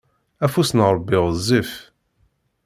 Afus n Ṛebbi ɣezzif.